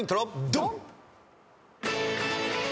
ドン！